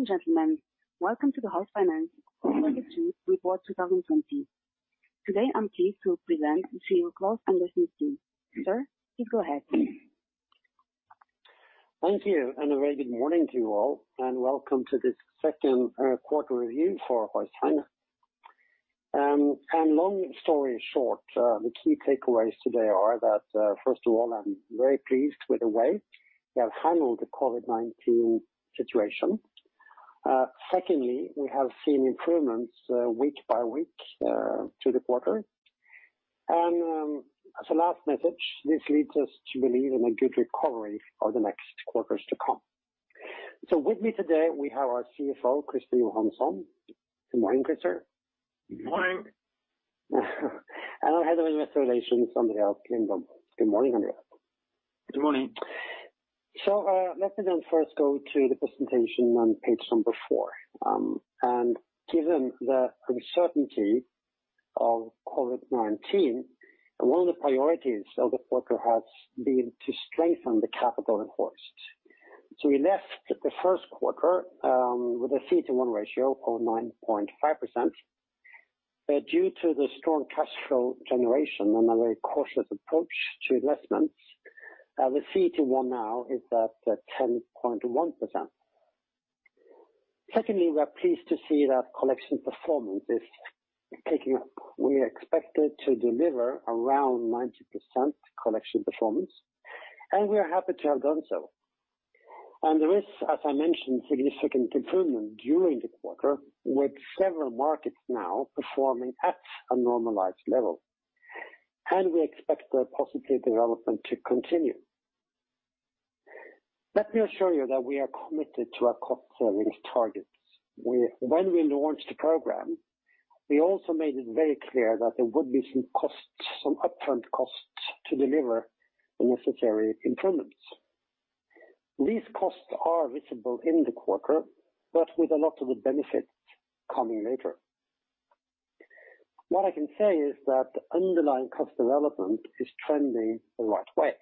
Ladies and gentlemen, welcome to the Hoist Finance Q2 Report 2020. Today, I am pleased to present CEO Klaus-Anders Nysteen. Sir, please go ahead. Thank you, a very good morning to you all, and welcome to this second quarter review for Hoist Finance. Long story short, the key takeaways today are that, first of all, I'm very pleased with the way we have handled the COVID-19 situation. Secondly, we have seen improvements week by week through the quarter. As a last message, this leads us to believe in a good recovery for the next quarters to come. With me today, we have our CFO, Christer Johansson. Good morning, Christer. Good morning. Our Head of Investor Relations, André Ljungberg. Good morning, André. Good morning. Let me first go to the presentation on page four. Given the uncertainty of COVID-19, one of the priorities of the quarter has been to strengthen the capital in Hoist. We left the first quarter with a CET1 ratio of 9.5%. Due to the strong cash flow generation and a very cautious approach to investments, the CET1 now is at 10.1%. Secondly, we are pleased to see that collection performance is picking up. We are expected to deliver around 90% collection performance, and we are happy to have done so. There is, as I mentioned, significant improvement during the quarter, with several markets now performing at a normalized level. We expect the positive development to continue. Let me assure you that we are committed to our cost-savings targets. When we launched the program, we also made it very clear that there would be some upfront costs to deliver the necessary improvements. These costs are visible in the quarter, but with a lot of the benefits coming later. What I can say is that the underlying cost development is trending the right way.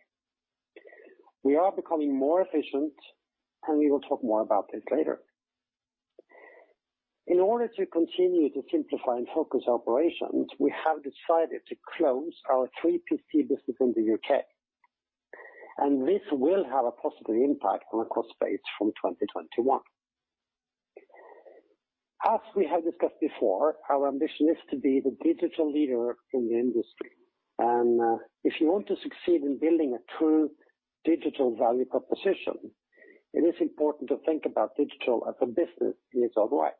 We are becoming more efficient, and we will talk more about this later. In order to continue to simplify and focus operations, we have decided to close our 3PC business in the U.K. This will have a positive impact on the cost base from 2021. As we have discussed before, our ambition is to be the digital leader in the industry. If you want to succeed in building a true digital value proposition, it is important to think about digital as a business in its own right.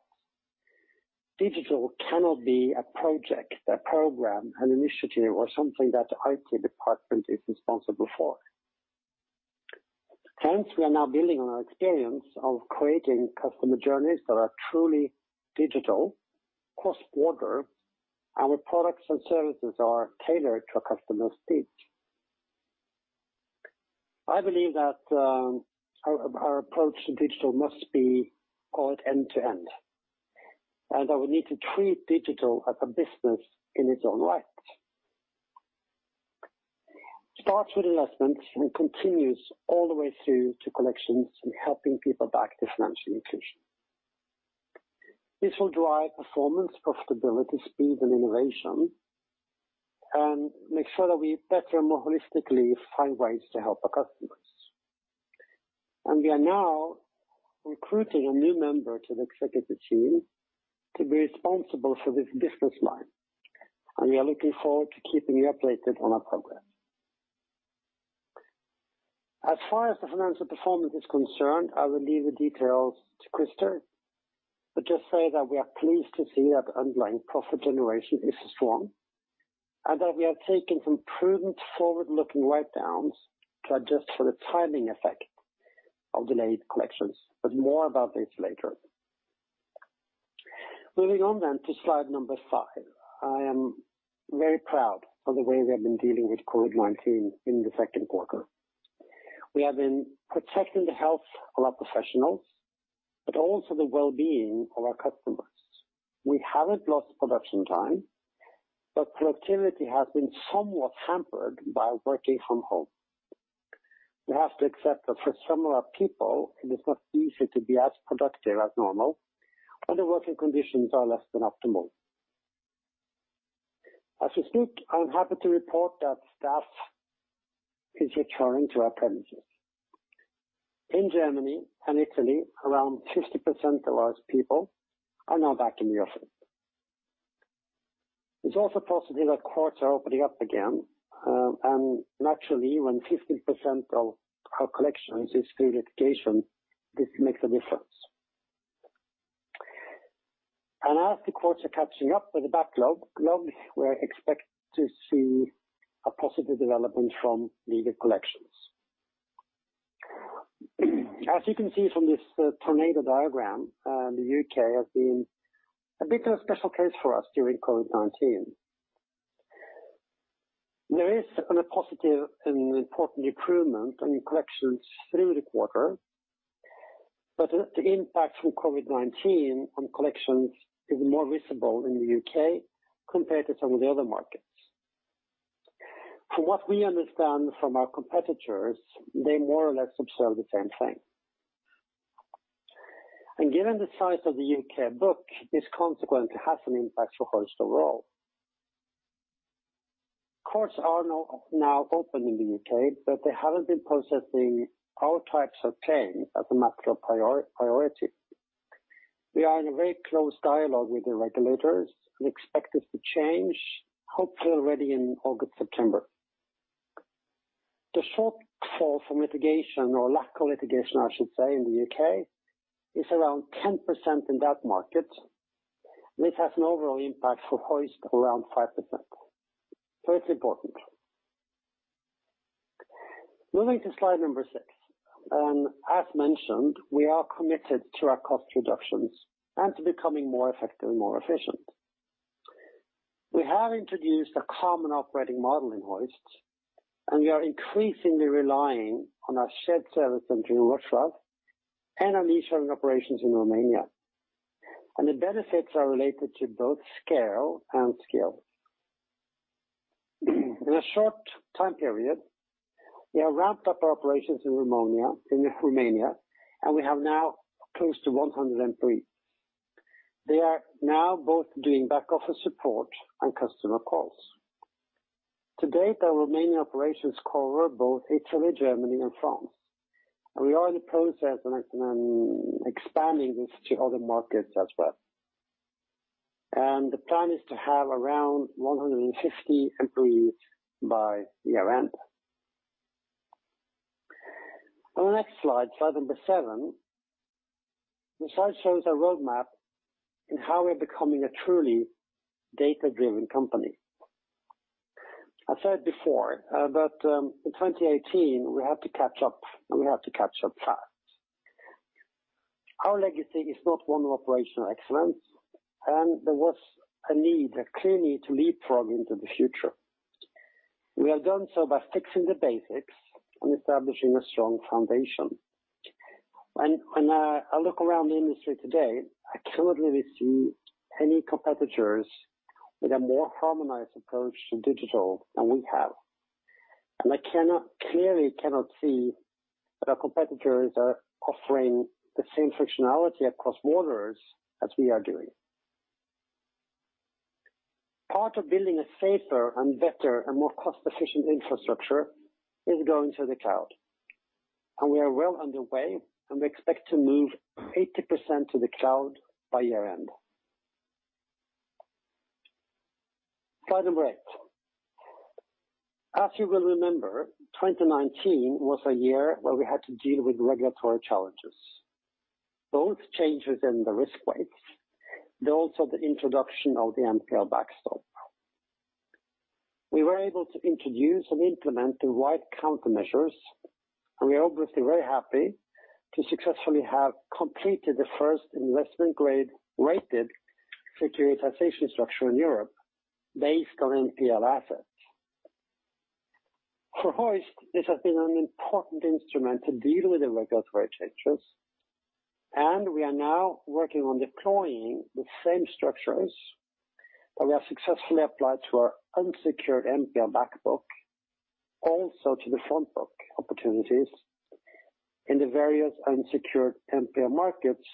Digital cannot be a project, a program, an initiative or something that the IT department is responsible for. Hence, we are now building on our experience of creating customer journeys that are truly digital, cross-border, and where products and services are tailored to a customer's needs. I believe that our approach to digital must be called end to end, and that we need to treat digital as a business in its own right. It starts with investments and continues all the way through to collections and helping people back to financial inclusion. This will drive performance, profitability, speed and innovation and make sure that we better, more holistically, find ways to help our customers. We are now recruiting a new member to the executive team to be responsible for this business line. We are looking forward to keeping you updated on our progress. As far as the financial performance is concerned, I will leave the details to Christer, just say that we are pleased to see that underlying profit generation is strong, that we have taken some prudent forward-looking write-downs to adjust for the timing effect of delayed collections. More about this later. Moving on to slide number 5. I am very proud of the way we have been dealing with COVID-19 in the second quarter. We have been protecting the health of our professionals, also the well-being of our customers. We haven't lost production time, productivity has been somewhat hampered by working from home. We have to accept that for some of our people, it is not easy to be as productive as normal when the working conditions are less than optimal. As we speak, I'm happy to report that staff is returning to our premises. In Germany and Italy, around 50% of our people are now back in the office. It's also positive that courts are opening up again. Naturally, when 50% of our collections is through litigation, this makes a difference. As the courts are catching up with the backlog, we expect to see a positive development from legal collections. As you can see from this tornado diagram, the U.K. has been a bit of a special case for us during COVID-19. There is a positive and important improvement in collections through the quarter, the impact from COVID-19 on collections is more visible in the U.K. compared to some of the other markets. From what we understand from our competitors, they more or less observe the same thing. Given the size of the U.K. book, this consequently has an impact for Hoist overall. Courts are now open in the U.K., but they haven't been processing our types of claims as a matter of priority. We are in very close dialogue with the regulators and expect this to change, hopefully already in August, September. The shortfall from litigation or lack of litigation, I should say, in the U.K. is around 10% in that market. This has an overall impact for Hoist of around 5%. It's important. Moving to slide number six. As mentioned, we are committed to our cost reductions and to becoming more effective and more efficient. We have introduced a common operating model in Hoist, and we are increasingly relying on our shared service center in Wrocław and on nearshoring operations in Romania. The benefits are related to both scale and skill. In a short time period, we have ramped up our operations in Romania, and we have now close to 100 employees. They are now both doing back-office support and customer calls. To date, our Romanian operations cover both Italy, Germany, and France, and we are in the process of expanding this to other markets as well. The plan is to have around 150 employees by year-end. On the next slide number seven. The slide shows a roadmap in how we're becoming a truly data-driven company. I said before that in 2018, we had to catch up fast. Our legacy is not one of operational excellence, and there was a clear need to leapfrog into the future. We have done so by fixing the basics and establishing a strong foundation. When I look around the industry today, I cannot really see any competitors with a more harmonized approach to digital than we have. I clearly cannot see that our competitors are offering the same functionality across borders as we are doing. Part of building a safer and better and more cost-efficient infrastructure is going to the cloud. We are well underway, and we expect to move 80% to the cloud by year-end. Slide number eight. As you will remember, 2019 was a year where we had to deal with regulatory challenges, both changes in the risk weights, but also the introduction of the NPL backstop. We were able to introduce and implement the right countermeasures, and we are obviously very happy to successfully have completed the first investment grade-rated securitization structure in Europe based on NPL assets. For Hoist, this has been an important instrument to deal with the regulatory changes. We are now working on deploying the same structures that we have successfully applied to our unsecured NPL back book, also to the front book opportunities in the various unsecured NPL markets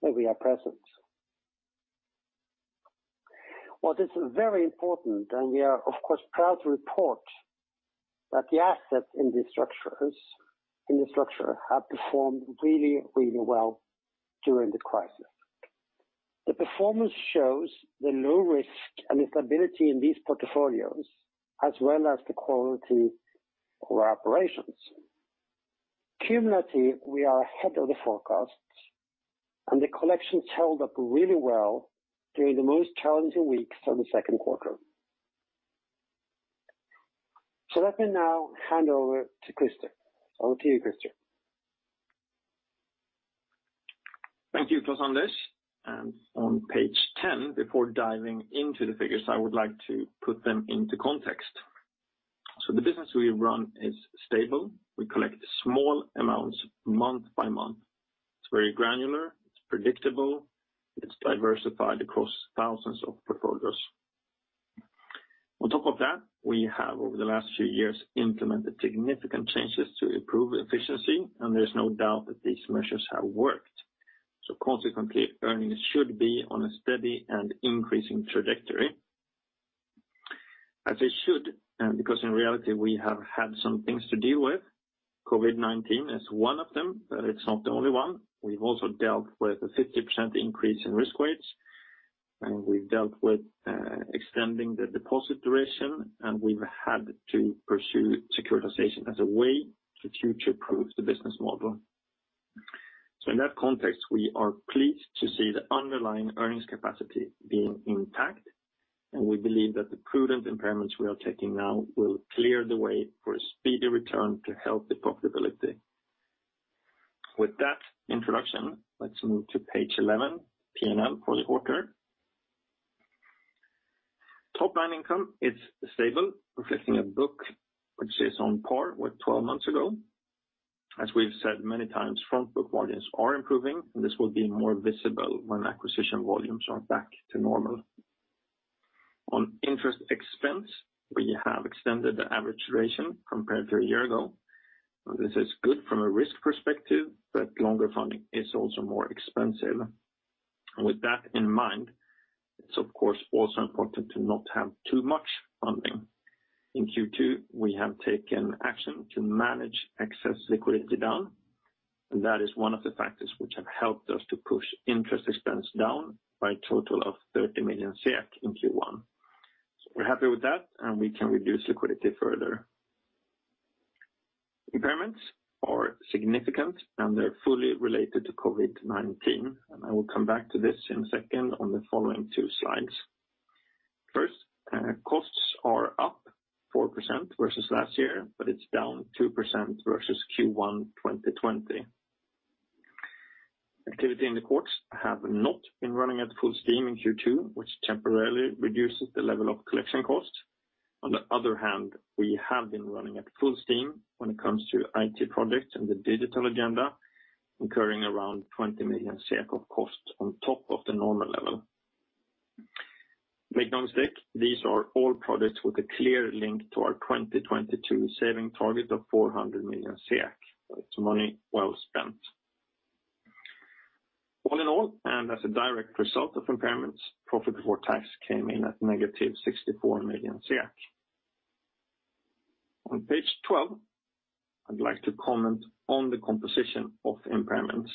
where we are present. What is very important. We are of course proud to report that the assets in this structure have performed really well during the crisis. The performance shows the low risk and the stability in these portfolios, as well as the quality of our operations. Cumulatively, we are ahead of the forecast. The collections held up really well during the most challenging weeks of the second quarter. Let me now hand over to Christer. Over to you, Christer. Thank you, Klaus-Anders. On page 10, before diving into the figures, I would like to put them into context. The business we run is stable. We collect small amounts month by month. It's very granular. It's predictable. It's diversified across thousands of portfolios. On top of that, we have over the last few years implemented significant changes to improve efficiency, and there's no doubt that these measures have worked. Consequently, earnings should be on a steady and increasing trajectory. As they should, because in reality, we have had some things to deal with. COVID-19 is one of them, but it's not the only one. We've also dealt with a 50% increase in risk weights, and we've dealt with extending the deposit duration, and we've had to pursue securitization as a way to future-proof the business model. In that context, we are pleased to see the underlying earnings capacity being intact, and we believe that the prudent impairments we are taking now will clear the way for a speedy return to healthy profitability. With that introduction, let's move to page 11, P&L for the quarter. Top line income is stable, reflecting a book which is on par with 12 months ago. As we've said many times, front book margins are improving, and this will be more visible when acquisition volumes are back to normal. On interest expense, we have extended the average duration compared to a year ago. This is good from a risk perspective, but longer funding is also more expensive. With that in mind, it's of course also important to not have too much funding. In Q2, we have taken action to manage excess liquidity down, that is one of the factors which have helped us to push interest expense down by a total of 30 million in Q1. We're happy with that, we can reduce liquidity further. Impairments are significant, they're fully related to COVID-19, I will come back to this in a second on the following two slides. First, costs are up 4% versus last year, it's down 2% versus Q1 2020. Activity in the courts have not been running at full steam in Q2, which temporarily reduces the level of collection costs. On the other hand, we have been running at full steam when it comes to IT projects and the digital agenda, incurring around 20 million of costs on top of the normal level. Make no mistake, these are all projects with a clear link to our 2022 saving target of 400 million. It's money well spent. All in all, and as a direct result of impairments, profit before tax came in at negative 64 million. On page 12, I'd like to comment on the composition of impairments.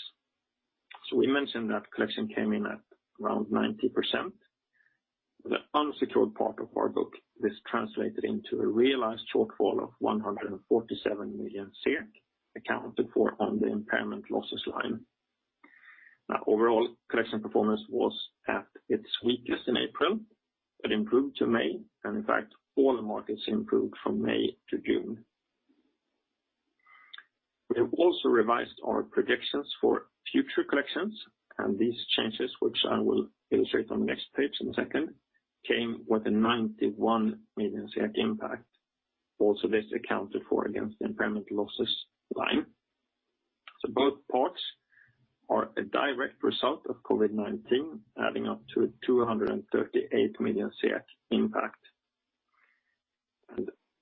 We mentioned that collection came in at around 90%. For the unsecured part of our book, this translated into a realized shortfall of 147 million, accounted for on the impairment losses line. Overall, collection performance was at its weakest in April, but improved to May. In fact, all the markets improved from May to June. We have also revised our predictions for future collections, these changes, which I will illustrate on the next page in a second, came with a 91 million impact. This accounted for against the impairment losses line. Both parts are a direct result of COVID-19, adding up to 238 million impact.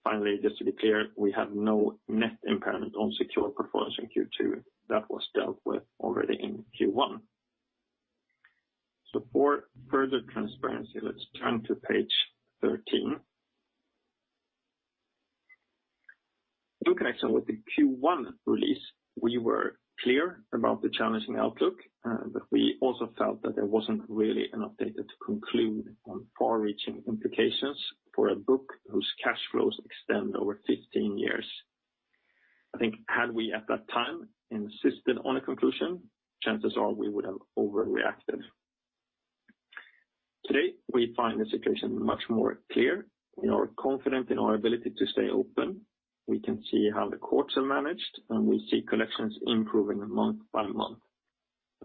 Finally, just to be clear, we have no net impairment on secure performance in Q2 that was dealt with already in Q1. For further transparency, let's turn to page 13. In connection with the Q1 release, we were clear about the challenging outlook, but we also felt that there wasn't really enough data to conclude on far-reaching implications for a book whose cash flows extend over 15 years. I think had we at that time insisted on a conclusion, chances are we would have overreacted. Today, we find the situation much more clear and are confident in our ability to stay open. We can see how the courts are managed, and we see collections improving month by month.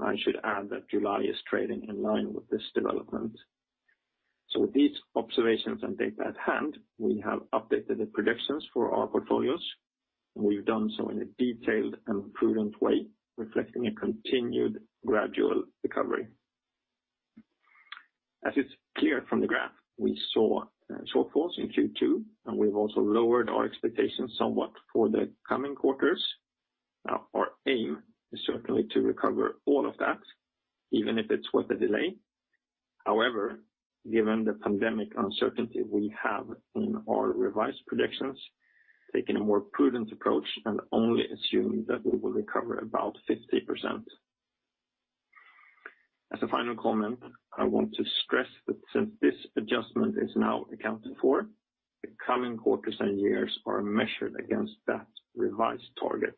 I should add that July is trading in line with this development. With these observations and data at hand, we have updated the predictions for our portfolios, and we've done so in a detailed and prudent way, reflecting a continued gradual recovery. As is clear from the graph, we saw shortfalls in Q2, and we've also lowered our expectations somewhat for the coming quarters. Now our aim is certainly to recover all of that, even if it's with a delay. However, given the pandemic uncertainty we have in our revised predictions, taking a more prudent approach and only assume that we will recover about 50%. As a final comment, I want to stress that since this adjustment is now accounted for, the coming quarters and years are measured against that revised target.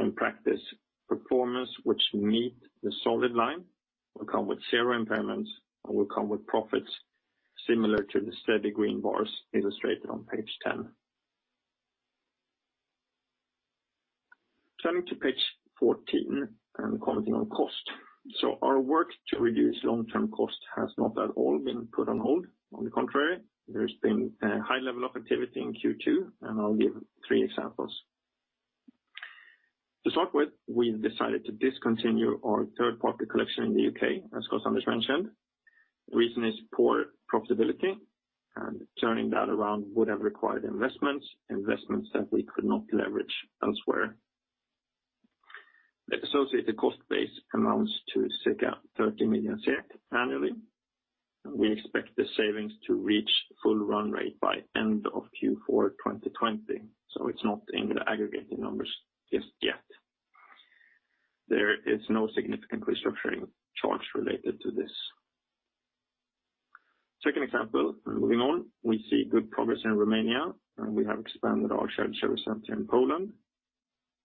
In practice, performance which meet the solid line will come with zero impairments and will come with profits similar to the steady green bars illustrated on page 10. Turning to page 14 and commenting on cost. Our work to reduce long-term cost has not at all been put on hold. On the contrary, there's been a high level of activity in Q2, and I'll give three examples. To start with, we've decided to discontinue our third-party collection in the U.K., as Anders mentioned. The reason is poor profitability, and turning that around would have required investments that we could not leverage elsewhere. The associated cost base amounts to circa 30 million annually. We expect the savings to reach full run rate by end of Q4 2020. It's not in the aggregated numbers just yet. There is no significant restructuring charge related to this. Second example, moving on, we see good progress in Romania, and we have expanded our shared service center in Poland.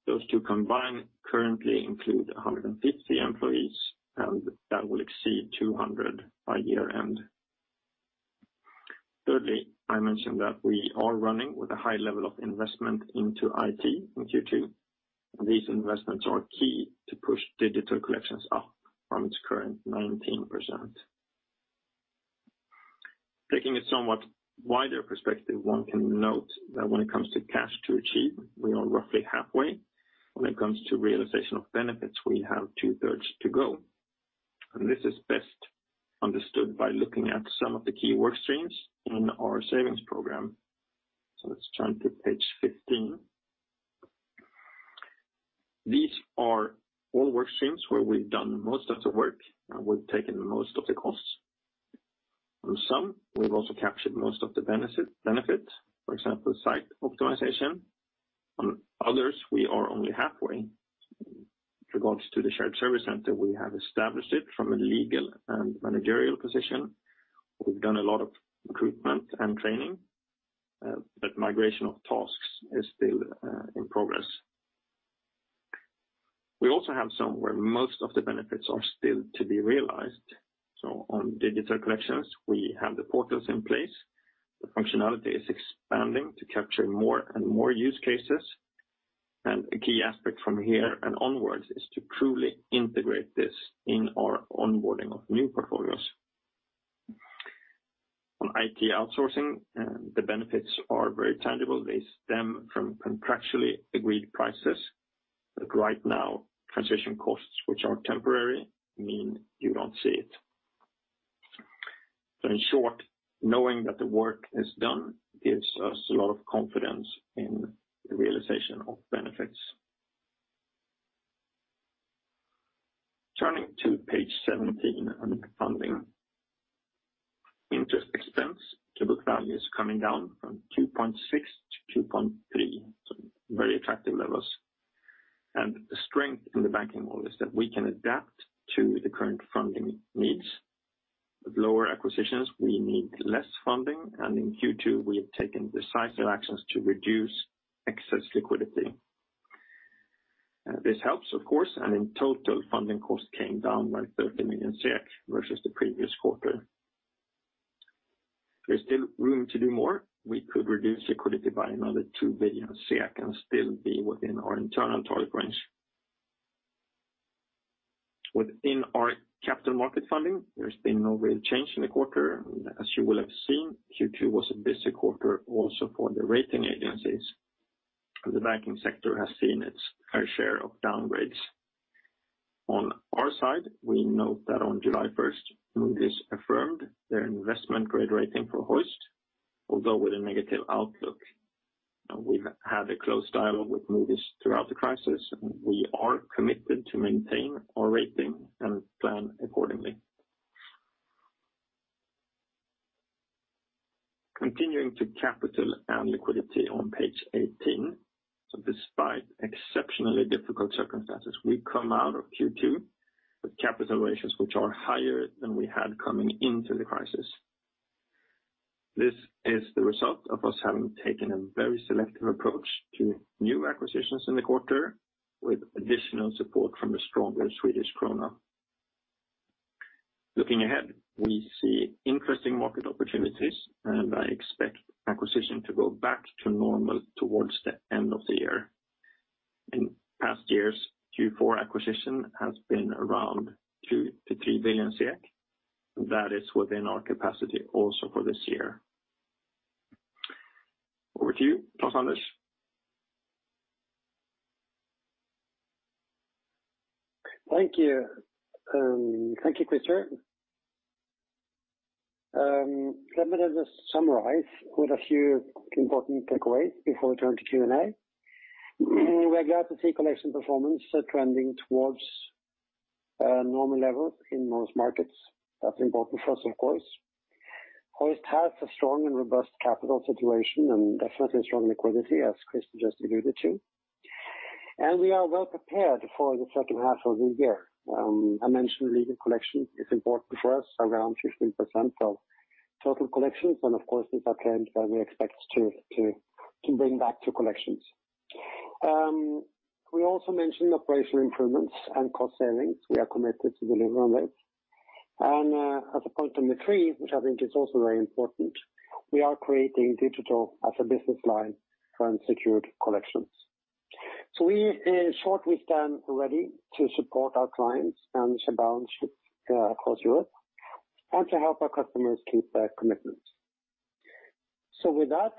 Those two combined currently include 150 employees, and that will exceed 200 by year-end. Thirdly, I mentioned that we are running with a high level of investment into IT in Q2. These investments are key to push digital collections up from its current 19%. Taking a somewhat wider perspective, one can note that when it comes to cost to achieve, we are roughly halfway. When it comes to realization of benefits, we have two-thirds to go, and this is best understood by looking at some of the key work streams in our savings program. Let's turn to page 15. These are all work streams where we've done most of the work and we've taken most of the costs. On some, we've also captured most of the benefit. For example, site optimization. On others, we are only halfway. In regards to the shared service center, we have established it from a legal and managerial position. We've done a lot of recruitment and training, migration of tasks is still in progress. We also have some where most of the benefits are still to be realized. On digital collections, we have the portals in place. The functionality is expanding to capture more and more use cases, a key aspect from here and onwards is to truly integrate this in our onboarding of new portfolios. On IT outsourcing, the benefits are very tangible. They stem from contractually agreed prices, right now, transition costs, which are temporary, mean you don't see it. In short, knowing that the work is done gives us a lot of confidence in the realization of benefits. Turning to page 17 on funding. Interest expense to book value is coming down from 2.6 to 2.3, so very attractive levels. The strength in the banking model is that we can adapt to the current funding needs. With lower acquisitions, we need less funding, and in Q2, we have taken decisive actions to reduce excess liquidity. This helps, of course, and in total, funding cost came down by 30 million SEK versus the previous quarter. There's still room to do more. We could reduce liquidity by another 2 billion SEK and still be within our internal target range. Within our capital market funding, there's been no real change in the quarter. As you will have seen, Q2 was a busy quarter also for the rating agencies. The banking sector has seen its fair share of downgrades. On our side, we note that on July 1st, Moody's affirmed their investment grade rating for Hoist, although with a negative outlook. We've had a close dialogue with Moody's throughout the crisis, we are committed to maintain our rating and plan accordingly. Continuing to capital and liquidity on page 18. Despite exceptionally difficult circumstances, we come out of Q2 with capital ratios which are higher than we had coming into the crisis. This is the result of us having taken a very selective approach to new acquisitions in the quarter with additional support from the stronger Swedish krona. Looking ahead, we see interesting market opportunities, I expect acquisition to go back to normal towards the end of the year. In past years, Q4 acquisition has been around 2 billion-3 billion. That is within our capacity also for this year. Over to you, Klaus-Anders. Thank you. Thank you, Christer. Let me just summarize with a few important takeaways before we turn to Q&A. We're glad to see collection performance trending towards normal levels in most markets. That's important for us, of course. Hoist has a strong and robust capital situation and definitely strong liquidity, as Christer just alluded to. We are well prepared for the second half of the year. I mentioned legal collection is important for us, around 15% of total collections. Of course, these are claims that we expect to bring back to collections. We also mentioned operational improvements and cost savings. We are committed to delivering on this. As a point number 3, which I think is also very important, we are creating digital as a business line for unsecured collections. In short, we stand ready to support our clients and share balance sheets across Europe and to help our customers keep their commitments. With that,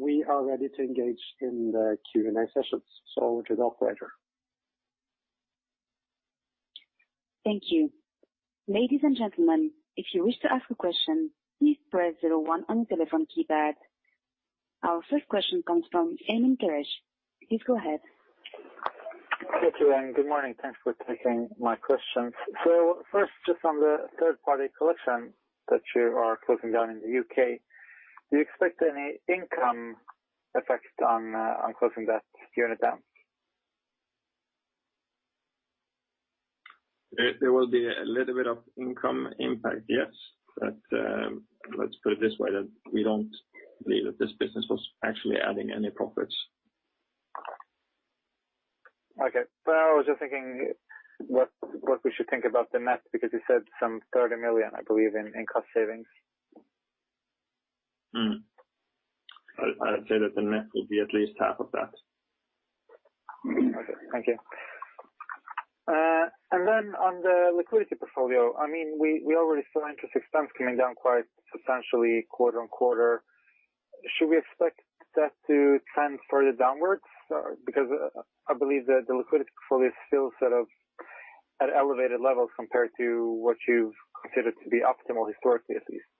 we are ready to engage in the Q&A sessions. To the operator. Thank you. Ladies and gentlemen, if you wish to ask a question, please press zero one on your telephone keypad. Our first question comes from Amyn Derek. Please go ahead. Thank you. Good morning. Thanks for taking my questions. First, just on the third-party collection that you are closing down in the U.K., do you expect any income effect on closing that unit down? There will be a little bit of income impact, yes. Let's put it this way, that we don't believe that this business was actually adding any profits. Okay. I was just thinking what we should think about the net, because you said some 30 million, I believe in cost savings. I would say that the net will be at least half of that. Okay, thank you. Then on the liquidity portfolio, we already saw interest expense coming down quite substantially quarter-on-quarter. Should we expect that to trend further downwards? Because I believe that the liquidity portfolio is still at elevated levels compared to what you've considered to be optimal historically, at least.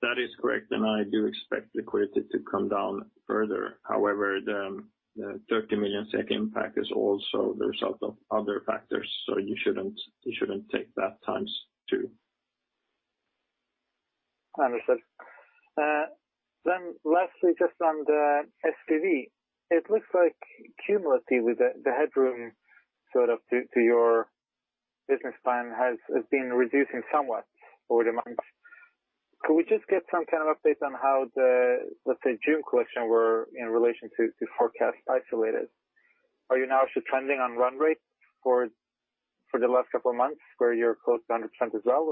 That is correct, and I do expect liquidity to come down further. However, the 30 million SEK impact is also the result of other factors, so you shouldn't take that x2. Understood. Lastly, just on the SPV, it looks like cumulatively, the headroom to your business plan has been reducing somewhat over the months. Could we just get some kind of update on how the, let's say, June collection were in relation to forecast isolated? Are you now actually trending on run rate for the last couple of months where you're close to 100% as well?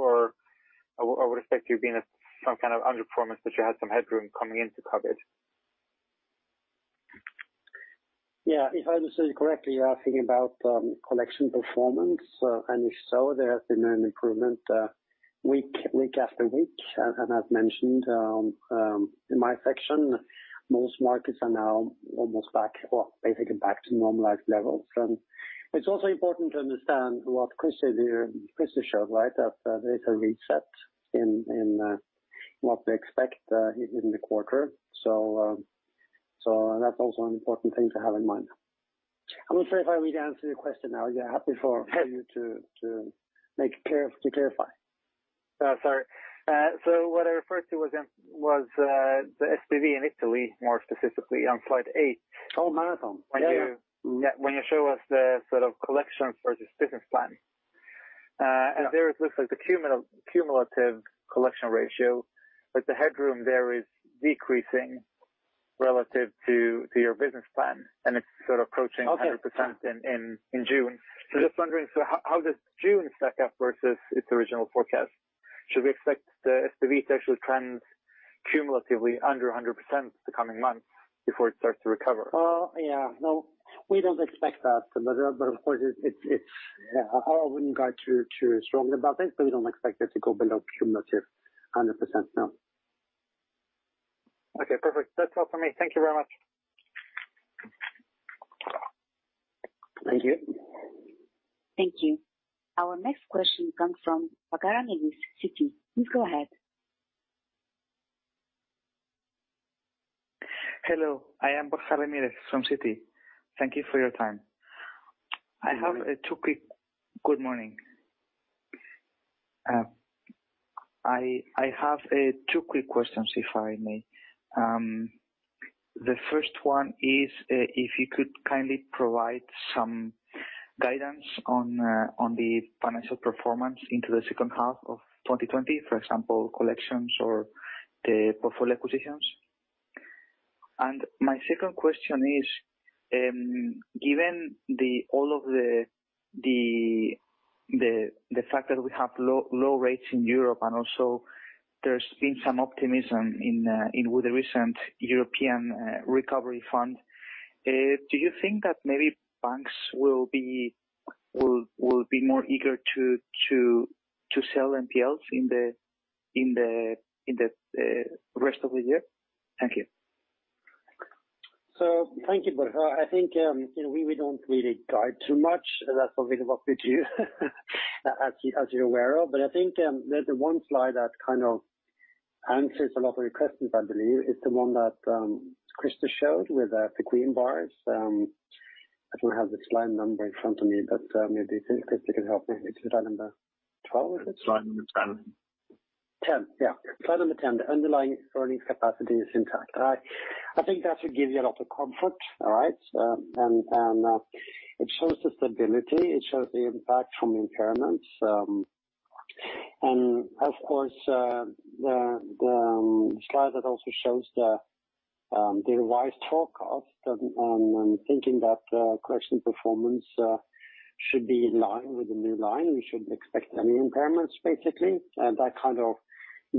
I would expect you being some kind of underperformance that you had some headroom coming into COVID-19. If I understand you correctly, you're asking about collection performance. If so, there has been an improvement week after week. As mentioned in my section, most markets are now almost back, or basically back to normalized levels. It's also important to understand what Christer showed. That there is a reset in what we expect in the quarter. That's also an important thing to have in mind. I'm not sure if I really answered your question now. Are you happy for you to clarify? Sorry. What I referred to was the SPV in Italy, more specifically on slide eight. Marathon. When you show us the sort of collection versus business plan. There it looks like the cumulative collection ratio, but the headroom there is decreasing relative to your business plan, and it's sort of approaching 100% in June. Just wondering, so how does June stack up versus its original forecast? Should we expect the SPV to actually trend cumulatively under 100% the coming months before it starts to recover? Oh, yeah. No, we don't expect that. Of course, I wouldn't go too strongly about this, but we don't expect it to go below cumulative 100%, no. Okay, perfect. That's all for me. Thank you very much. Thank you. Thank you. Our next question comes from Borja Ramirez, Citi. Please go ahead. Hello, I am Borja Ramirez from Citi. Thank you for your time. You're welcome. Good morning. I have two quick questions, if I may. The first one is if you could kindly provide some guidance on the financial performance into the second half of 2020. For example, collections or the portfolio acquisitions. My second question is, given all of the fact that we have low rates in Europe and also there's been some optimism with the recent Next Generation EU, do you think that maybe banks will be more eager to sell NPLs in the rest of the year? Thank you. Thank you, Borja. I think we don't really guide too much. That's something that we've as you're aware of. I think there's one slide that kind of answers a lot of your questions, I believe, is the one that Christer showed with the green bars. I don't have the slide number in front of me, but maybe Christer can help me. Is it slide number 12, is it? Slide number 10. Slide number 10, the underlying earnings capacity is intact. I think that should give you a lot of comfort. All right? It shows the stability, it shows the impact from impairments. Of course, the slide that also shows the revised forecast, I'm thinking that collection performance should be in line with the new line. We shouldn't expect any impairments, basically. That kind of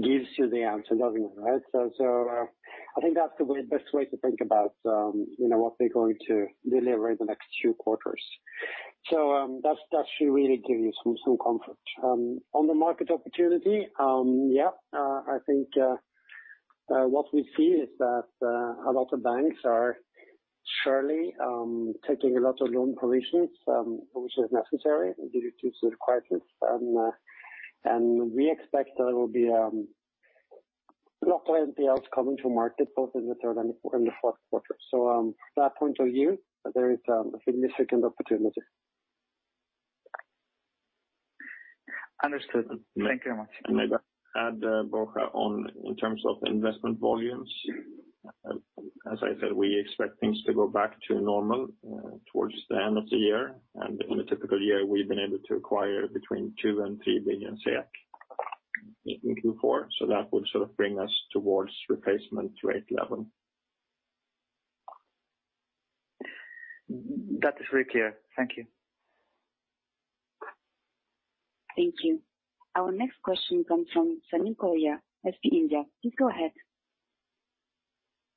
gives you the answer, doesn't it? Right. I think that's the best way to think about what we're going to deliver in the next two quarters. That should really give you some comfort. On the market opportunity, yeah, I think what we see is that a lot of banks are surely taking a lot of loan provisions which are necessary due to the crisis. We expect there will be a lot of NPLs coming to market both in the third and the fourth quarter. From that point of view, there is a significant opportunity. Understood. Thank you very much. Maybe add, Borja, in terms of investment volumes, as I said, we expect things to go back to normal towards the end of the year. In a typical year, we've been able to acquire between two and three billion SEK in Q4, so that would sort of bring us towards replacement rate level. That is very clear. Thank you. Thank you. Our next question comes from Sandeep Kaur, SEB. Please go ahead.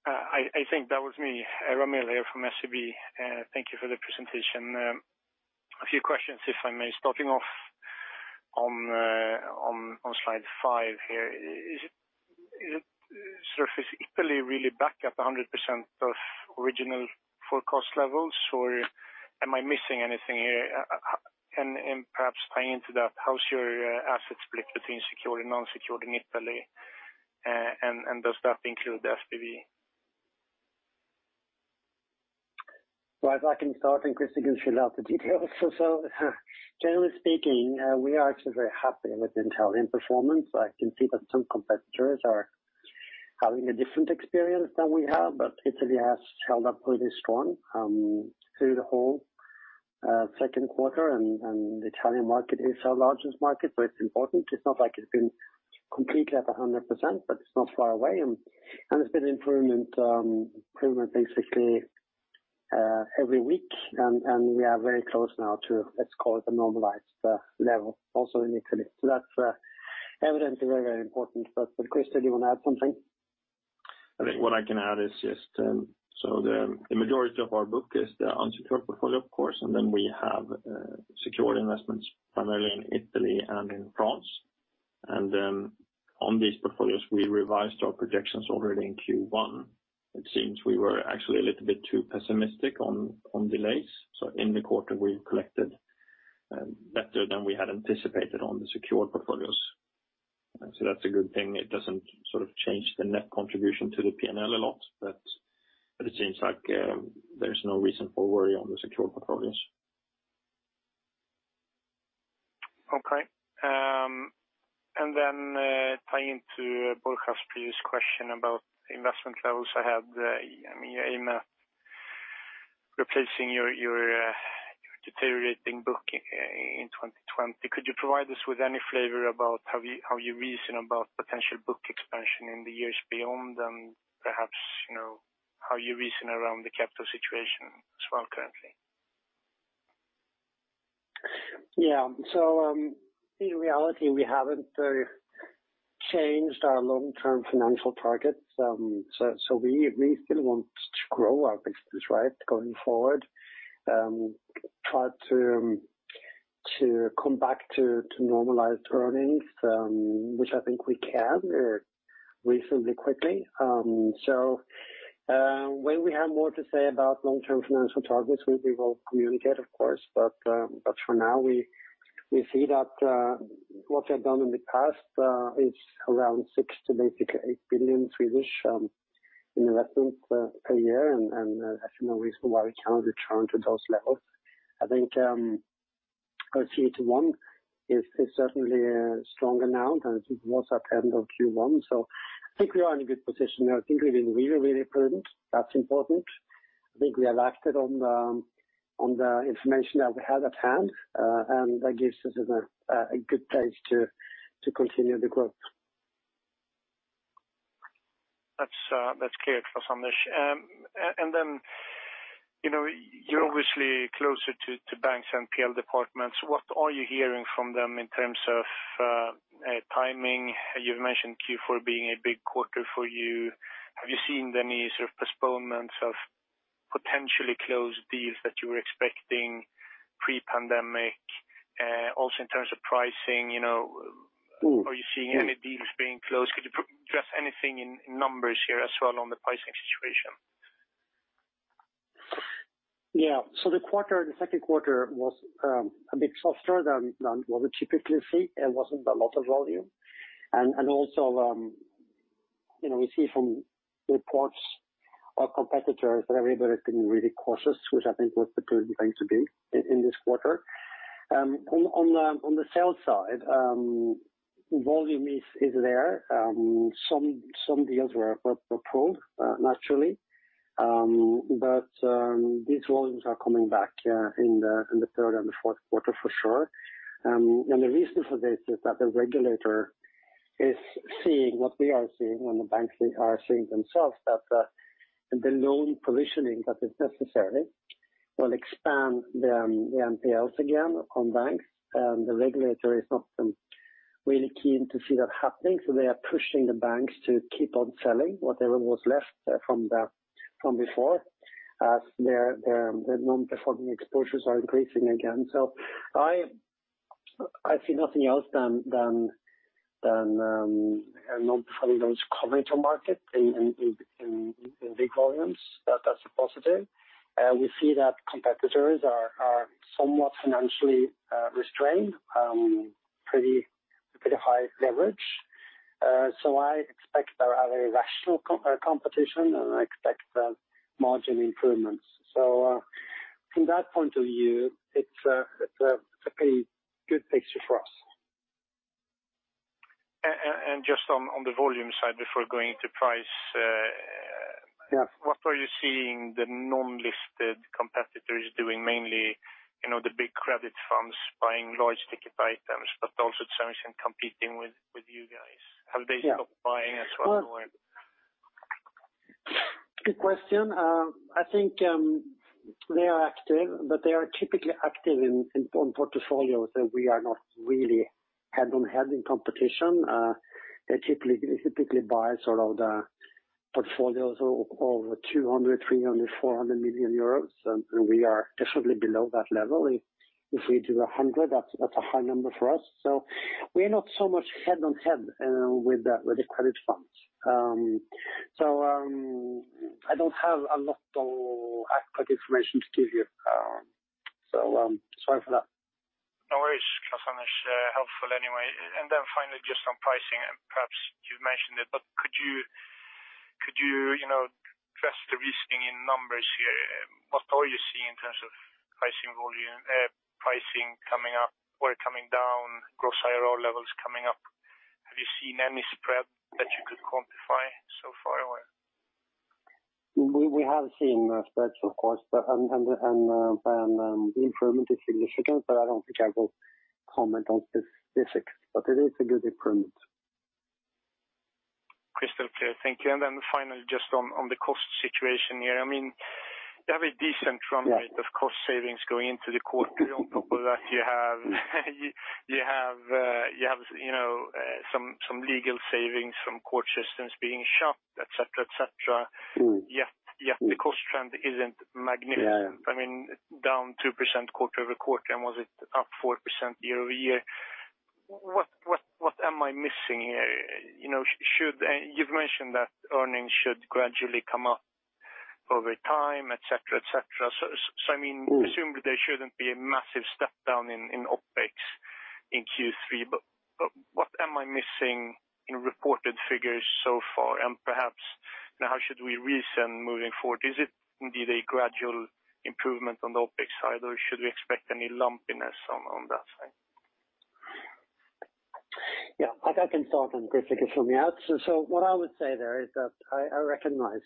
I think that was me. Ramy here from SEB. Thank you for the presentation. A few questions, if I may. Starting off on slide five here. Is it unsecured Italy really back at 100% of original full cost levels, or am I missing anything here? Perhaps tying into that, how's your asset split between secured and non-secured in Italy? Does that include the SPV? Right. I can start. Christer can fill out the details. Generally speaking, we are actually very happy with the Italian performance. I can see that some competitors are having a different experience than we have. Italy has held up really strong through the whole second quarter. The Italian market is our largest market. It's important. It's not like it's been completely at 100%. It's not far away. There's been improvement basically every week. We are very close now to, let's call it, the normalized level also in Italy. That's evidently very important for us. Christer, do you want to add something? I think what I can add is just, the majority of our book is the unsecured portfolio, of course, and then we have secured investments primarily in Italy and in France. On these portfolios, we revised our projections already in Q1. It seems we were actually a little bit too pessimistic on delays. In the quarter, we collected better than we had anticipated on the secured portfolios. That's a good thing. It doesn't change the net contribution to the P&L a lot, it seems like there's no reason for worry on the secured portfolios. Okay. Then tying to Borja's previous question about investment levels I had in replacing your deteriorating book in 2020, could you provide us with any flavor about how you reason about potential book expansion in the years beyond, and perhaps, how you reason around the capital situation as well currently? In reality, we haven't changed our long-term financial targets. We still want to grow our business, going forward. Try to come back to normalized earnings, which I think we can reasonably quickly. When we have more to say about long-term financial targets, we will communicate of course. For now, we see that what we have done in the past is around 6 billion to basically 8 billion Swedish investments per year, and I see no reason why we can't return to those levels. I think our CET1 is certainly stronger now than it was at the end of Q1. I think we are in a good position. I think we've been really prudent. That's important. I think we have acted on the information that we had at hand, and that gives us a good place to continue the growth. That's clear for Sandesh. Then, you're obviously closer to banks' NPL departments. What are you hearing from them in terms of timing? You've mentioned Q4 being a big quarter for you. Have you seen any sort of postponements of potentially closed deals that you were expecting pre-pandemic? Also in terms of pricing? Are you seeing any deals being closed? Could you address anything in numbers here as well on the pricing situation? Yeah. The second quarter was a bit softer than what we typically see. It wasn't a lot of volume. Also, we see from reports or competitors that everybody's been really cautious, which I think was the prudent thing to do in this quarter. On the sales side, volume is there. Some deals were pulled, naturally. These volumes are coming back in the third and the fourth quarter for sure. The reason for this is that the regulator is seeing what we are seeing, and the banks are seeing themselves that the loan provisioning that is necessary will expand the NPLs again on banks. The regulator is not really keen to see that happening, so they are pushing the banks to keep on selling whatever was left from before, as their non-performing exposures are increasing again. I see nothing else than non-performing loans coming to market in big volumes. That's a positive. We see that competitors are somewhat financially restrained, pretty high leverage. I expect a very rational competition, and I expect margin improvements. From that point of view, it's a pretty good picture for us. Just on the volume side before going to price. What are you seeing the non-listed competitors doing? Mainly, the big credit firms buying large ticket items, but also to some extent competing with you guys. Have they stopped buying as well? Good question. I think they are active, but they are typically active on portfolios that we are not really head-on-head in competition. They typically buy sort of the portfolios of over 200 million, 300 million, 400 million euros, and we are definitely below that level. If we do 100 million, that's a high number for us. We are not so much head-on-head with the credit funds. I don't have a lot of accurate information to give you. Sorry for that. No worries. That's helpful anyway. Finally, just on pricing, and perhaps you've mentioned it, but could you address the risking in numbers here? What are you seeing in terms of pricing volume, pricing coming up or coming down, gross IRR levels coming up? Have you seen any spread that you could quantify so far? We have seen spreads, of course, and the improvement is significant, but I don't think I will comment on specifics. It is a good improvement. Crystal clear. Thank you. Finally, just on the cost situation here. You have a decent run rate of cost savings going into the quarter on top of that you have some legal savings from court systems being shut, et cetera. Yet the cost trend isn't magnificent. Down 2% quarter-over-quarter, and was it up 4% year-over-year? What am I missing here? You've mentioned that earnings should gradually come up over time, et cetera. I assume there shouldn't be a massive step down in OpEx in Q3, but what am I missing in reported figures so far? Perhaps now should we reason moving forward, is it indeed a gradual improvement on the OpEx side, or should we expect any lumpiness on that side? Yeah, I can start and Christer can fill me out. What I would say there is that I recognize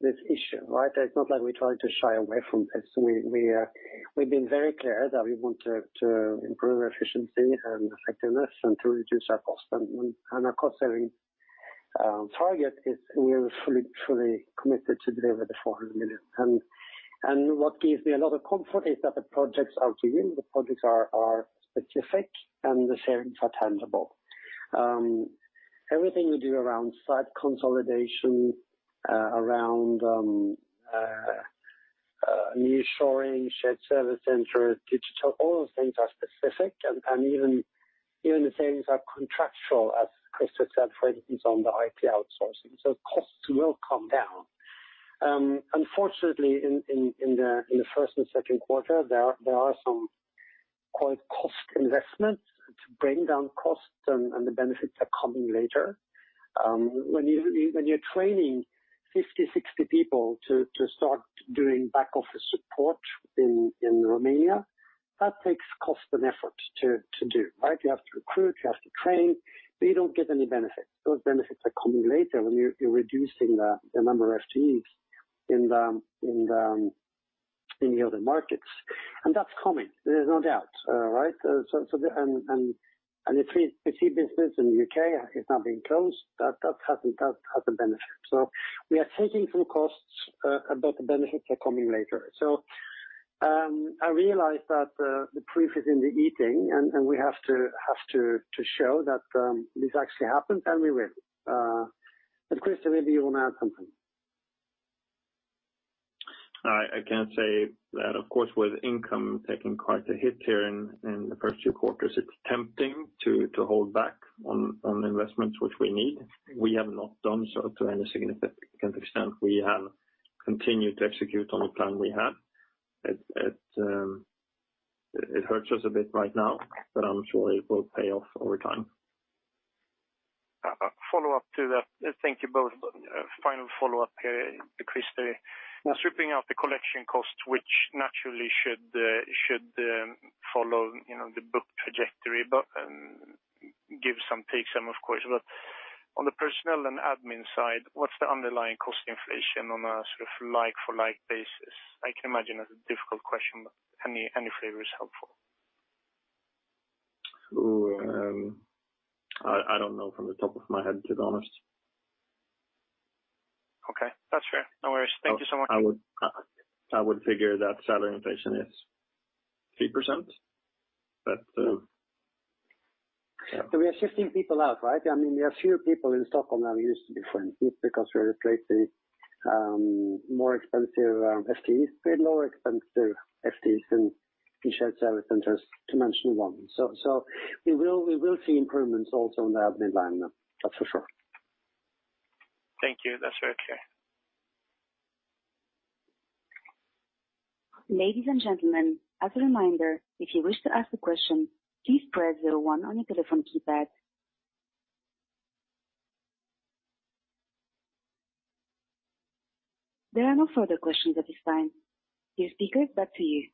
this issue, right? It's not like we're trying to shy away from this. We've been very clear that we want to improve our efficiency and effectiveness and to reduce our cost. Our cost-saving target is we are fully committed to deliver the 400 million. What gives me a lot of comfort is that the projects are real, the projects are specific, and the savings are tangible. Everything we do around site consolidation, around nearshoring, shared service centers, digital, all those things are specific, and even the things are contractual, as Christer said, for instance, on the IT outsourcing. Costs will come down. Unfortunately, in the first and second quarter, there are some quite cost investments to bring down costs and the benefits are coming later. When you're training 50, 60 people to start doing back office support in Romania, that takes cost and effort to do, right? You have to recruit, you have to train, but you don't get any benefits. Those benefits are coming later when you're reducing the number of FTEs in the other markets. That's coming, there's no doubt. Right? The 3PC business in the U.K. has now been closed. That has a benefit. We are taking some costs, but the benefits are coming later. I realize that the proof is in the eating, and we have to show that this actually happens, and we will. Christer, maybe you want to add something. I can say that, of course, with income taking quite a hit here in the first few quarters, it's tempting to hold back on investments which we need. We have not done so to any significant extent. We have continued to execute on the plan we had. It hurts us a bit right now, but I'm sure it will pay off over time. A follow-up to that. Thank you both. Final follow-up here to Christer. Stripping out the collection cost, which naturally should follow the book trajectory, but give some, take some, of course. On the personnel and admin side, what's the underlying cost inflation on a sort of like for like basis? I can imagine that's a difficult question, but any flavor is helpful. I don't know from the top of my head, to be honest. Okay. That's fair. No worries. Thank you so much. I would figure that salary inflation is 3%. We are shifting people out, right? There are fewer people in Stockholm now than used to be, frankly, because we replaced the more expensive FTEs with lower expensive FTEs in shared service centers, to mention one. We will see improvements also on the admin line now. That's for sure. Thank you. That's very clear. Ladies and gentlemen, as a reminder, if you wish to ask a question, please press one on your telephone keypad. There are no further questions at this time. Dear speakers, back to you.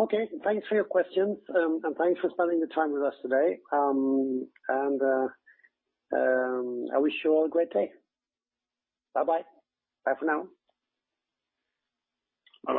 Okay. Thanks for your questions, and thanks for spending the time with us today. I wish you all a great day. Bye-bye. Bye for now. Bye.